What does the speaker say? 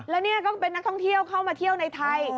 แล้วนี่ก็เป็นนักท่องเที่ยวเข้ามาเที่ยวในไทย